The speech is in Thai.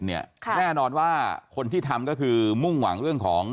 แน่นอนว่าคนที่ทำก็คือมุ่งหวังเรื่องของ